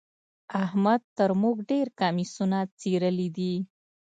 احمد تر موږ ډېر کميسونه څيرلي دي.